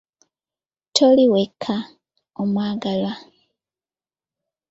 Toli wekka, omwagalwa!